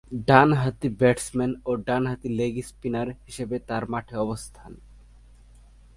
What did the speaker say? ডানহাতি ব্যাটসম্যান ও ডানহাতি লেগ স্পিনার হিসেবে তার মাঠে অবস্থান।